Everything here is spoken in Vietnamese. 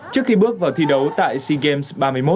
trước khi bước vào thi đấu tại sea games ba mươi một